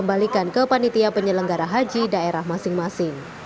kembalikan ke panitia penyelenggara haji daerah masing masing